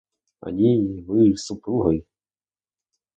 Они... Вы... с супругой.